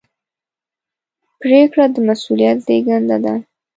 پرېکړه د مسؤلیت زېږنده ده.